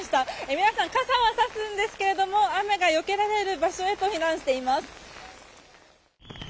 皆さん、傘はさすんですが雨がよけられる場所へと避難しています。